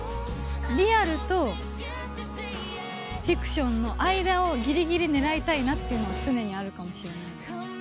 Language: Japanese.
リアルとフィクションの間をぎりぎりねらいたいなっていうのは、常にあるかもしれないです。